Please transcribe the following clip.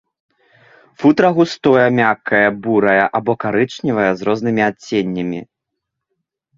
Футра густое, мяккае, бурае або карычневае з рознымі адценнямі.